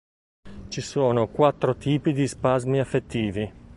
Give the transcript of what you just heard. Ci sono quattro tipi di spasmi affettivi.